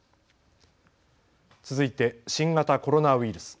続いて新型コロナウイルス。